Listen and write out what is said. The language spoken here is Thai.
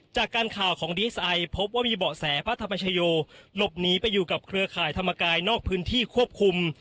จากการข่าวของดีเอสไอพบว่ามีเบาะแสพระธรรมชโยหลบหนีไปอยู่กับเครือข่ายธรรมกายนอกพื้นที่ควบคุม